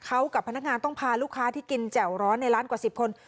เขากับพนักงานต้องพาลูกค้าที่กินแจ่วร้อนในร้านกว่า๑๐คน